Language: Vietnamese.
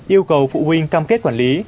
yêu cầu phụ huynh cam kết quản lý